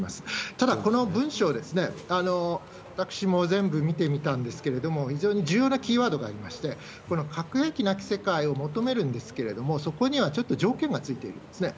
ただ、この文書を私も全部見てみたんですけれども、非常に重要なキーワードがありまして、この核兵器なき世界を求めるんですけれども、そこにはちょっと条件が付いているんですね。